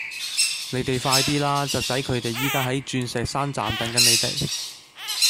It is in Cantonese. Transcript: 你哋快啲啦!侄仔佢哋而家喺鑽石山站等緊你哋